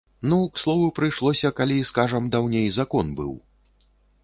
Ну, к слову прыйшлося, калі, скажам, даўней закон быў.